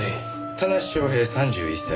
田無昌平３１歳。